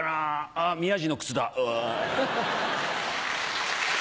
あっ宮治の靴だオエ。